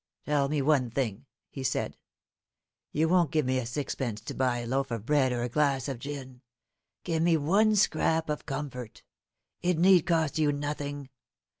"Tell me one thing," he said. "You won't give me sixpence to buy a loaf of bread or a glass of gin. Give me one scrap of comfort. It need cost you nothing.